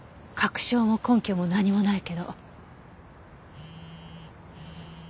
確証も根拠も何もないけど。